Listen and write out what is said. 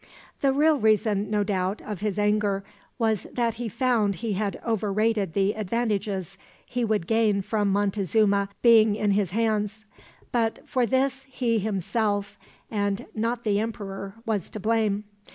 The real reason, no doubt, of his anger was that he found he had overrated the advantages he would gain from Montezuma being in his hands; but for this he himself, and not the emperor, was to blame.